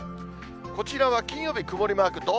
こちらは金曜日曇りマーク。